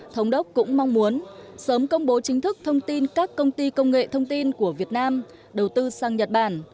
thống đốc cũng mong muốn sớm công bố chính thức thông tin các công ty công nghệ thông tin của việt nam đầu tư sang nhật bản